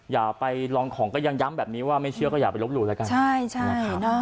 อย่าไปลองของก็ยังย้ำแบบนี้ว่าไม่เชื่อก็อย่าไปลบหลู่แล้วกันใช่ใช่นะคะ